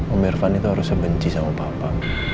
om irfan itu harusnya benci sama papa